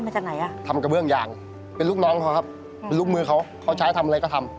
เป็นลูกมือเขาเขาใช้ทำอะไรก็ทำ